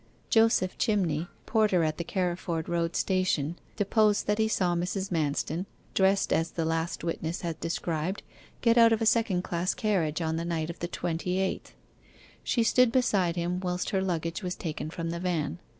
Joseph Chinney, porter at the Carriford Road Station, deposed that he saw Mrs. Manston, dressed as the last witness had described, get out of a second class carriage on the night of the twenty eighth. She stood beside him whilst her luggage was taken from the van.